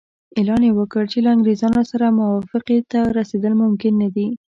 اعلان یې وکړ چې له انګریزانو سره موافقې ته رسېدل ممکن نه دي.